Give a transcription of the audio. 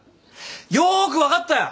よく分かったよ。